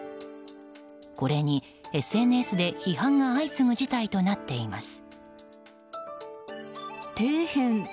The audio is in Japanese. これにＳＮＳで批判が相次ぐ事態となっています。